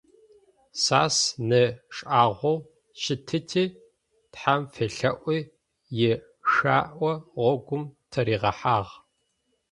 Сас ны шӏагъоу щытыти, тхьэм фелъэӏуи ишъао гъогум тыригъэхьагъ.